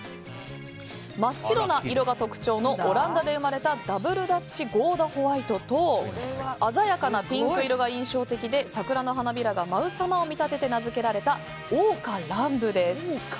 真っ白な色が特徴のオランダで生まれたダブルダッチゴーダホワイトと鮮やかなピンク色が印象的で桜の花びらが舞うさまを見立てて名づけられた桜花乱舞です。